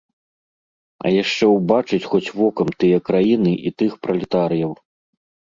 А яшчэ ўбачыць хоць вокам тыя краіны і тых пралетарыяў.